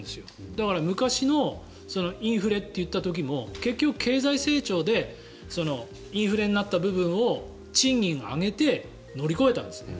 だから昔のインフレっていった時も結局経済成長でインフレになった部分を賃金を上げて乗り越えたんですね。